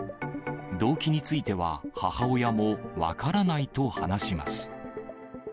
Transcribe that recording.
動機については、母親も分からないと話します。